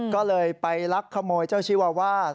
ก็เลยไปลักขโมยเจ้าชีวาวาส